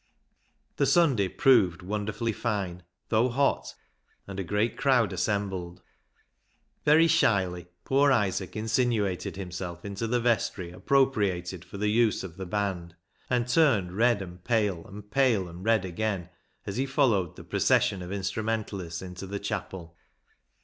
The Sunday proved wonderfully fine, though hot, and a great crowd assembled. Very shyly poor Isaac insinuated himself into the vestry appropriated for the use of the band, and turned red and pale and pale and red again as he followed the procession of instru mentalists into the chapel.